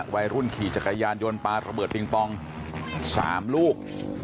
วัยรุ่นขี่จักรยานยนต์ปลาระเบิดปิงปอง๓ลูก